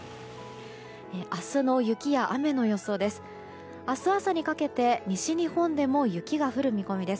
明日の雪や雨の予想です。